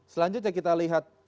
selanjutnya kita lihat